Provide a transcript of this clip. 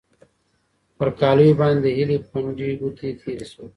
پر کالیو باندې د هیلې پنډې ګوتې تېرې شوې.